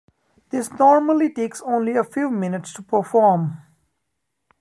This normally takes only a few minutes to perform.